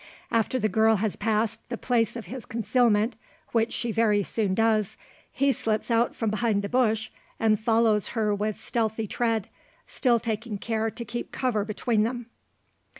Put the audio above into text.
After the girl has passed the place of his concealment which she very soon does he slips out from behind the bush, and follows her with stealthy tread, still taking care to keep cover between them.